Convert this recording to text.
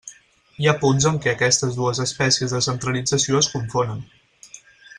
Hi ha punts en què aquestes dues espècies de centralització es confonen.